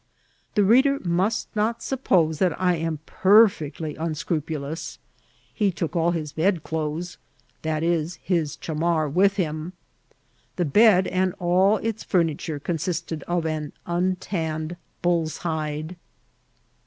The reader nrast not suppose that I am perfectly unscrupnloas ; he took aU'his bedclothes, viz., his ohalnar, vrith him* The bed and all its ftimiture consisted of an untanned bull's hide.